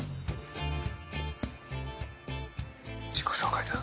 自己紹介だ。